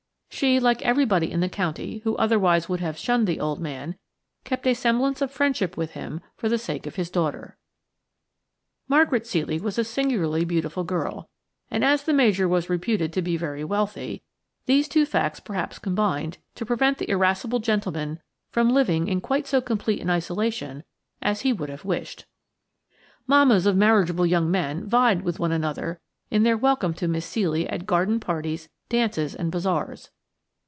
She–like everybody in the county who otherwise would have shunned the old man–kept up a semblance of friendship with him for the sake of the daughter. Margaret Ceely was a singularly beautiful girl, and as the Major was reputed to be very wealthy, these two facts perhaps combined to prevent the irascible gentleman from living in quite so complete an isolation as he would have wished. Mammas of marriageable young men vied with one another in their welcome to Miss Ceely at garden parties, dances and bazaars.